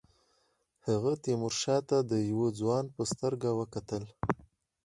هغه تیمورشاه ته د یوه ځوان په سترګه کتل.